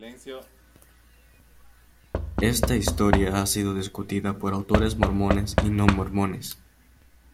Esta historia ha sido discutida por autores mormones y no mormones.